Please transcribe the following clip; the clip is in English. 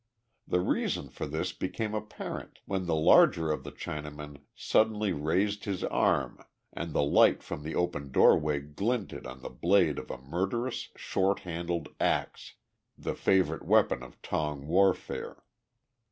The reason for this became apparent when the larger of the Chinamen suddenly raised his arm and the light from the open doorway glinted on the blade of a murderous short handled axe the favorite weapon of Tong warfare.